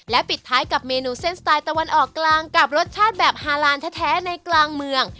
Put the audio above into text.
ปิดท้ายกับเมนูเส้นสไตล์ตะวันออกกลางกับรสชาติแบบฮาลานแท้ในกลางเมือง